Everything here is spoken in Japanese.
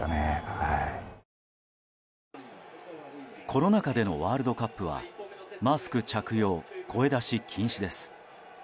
コロナ禍でのワールドカップはマスク着用、声出し禁止です。